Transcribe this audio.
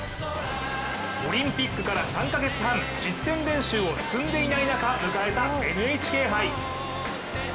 オリンピックから３カ月半実戦練習を積んでいない中迎えたＮＨＫ杯。